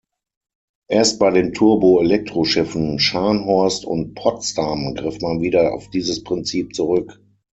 Erst bei den Turbo-Elektro-Schiffen "Scharnhorst" und "Potsdam" griff man wieder auf dieses Prinzip zurück.